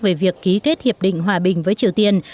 về việc ký kết hiệp định hòa bình với triều tiên